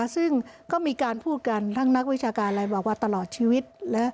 ซึ่งก็มีการพูดกันทั้งนักวิชาการอะไรบอกว่าตลอดชีวิต